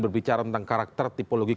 berbicara tentang karakter tipologi